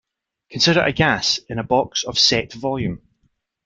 Consider a gas in a box of set volume.